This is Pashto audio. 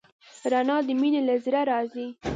رڼا د مینې له زړه راځي.